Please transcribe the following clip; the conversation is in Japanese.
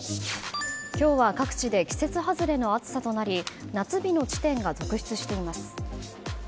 今日は各地で季節外れの暑さとなり夏日の地点が続出しています。